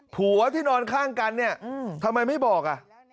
ผัวที่นอนข้างกันเนี่ยทำไมไม่บอกอ่ะ